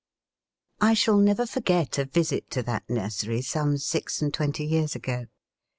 I shall never forget a visit to that nursery some six and twenty years ago.